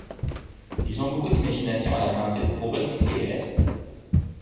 Ils ont beaucoup d'imagination à la cantine pour recycler les restes.